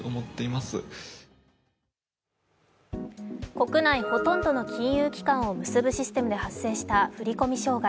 国内ほとんどの金融機関を結ぶシステムで発生した振り込み障害。